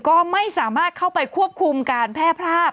ก็ไม่สามารถเข้าไปควบคุมการแพร่ภาพ